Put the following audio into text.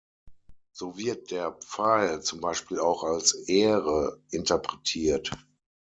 So wird der „Pfeil“ zum Beispiel auch als „Ähre“ interpretiert.